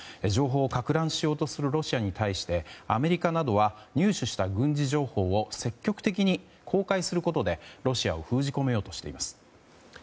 情報をかく乱しようとするロシアに対して、アメリカなどは入手した軍事情報を積極的に公開することでロシアを封じ込めようとしています。